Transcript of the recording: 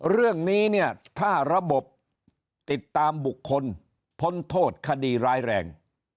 เรื่องนี้เนี่ยถ้าระบบติดตามบุคคลพ้นโทษคดีร้ายแรง